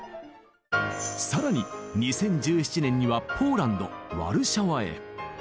更に２０１７年にはポーランドワルシャワへ。